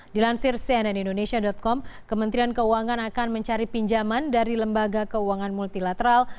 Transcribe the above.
dilansir cnn indonesia com kementerian keuangan akan mencari pinjaman dari lembaga keuangan multilateral